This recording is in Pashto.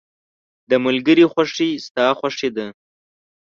• د ملګري خوښي ستا خوښي ده.